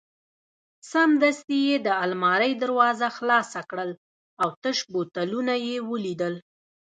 سمدستي یې د المارۍ دروازه خلاصه کړل او تش بوتلونه یې ولیدل.